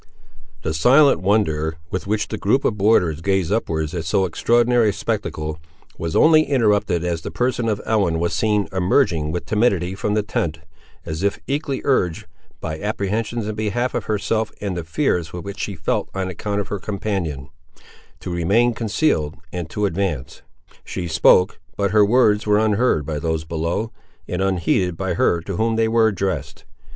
The silent wonder, with which the group of borderers gazed upward at so extraordinary a spectacle, was only interrupted as the person of Ellen was seen emerging with timidity from the tent, as if equally urged, by apprehensions in behalf of herself and the fears which she felt on account of her companion, to remain concealed and to advance. She spoke, but her words were unheard by those below, and unheeded by her to whom they were addressed.